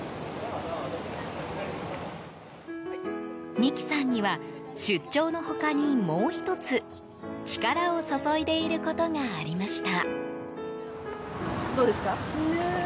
美希さんには出張の他にもう１つ力を注いでいることがありました。